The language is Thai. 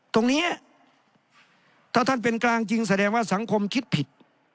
ตรงนี้ถ้าท่านเป็นกลางจริงแสดงว่าสังคมคิดผิด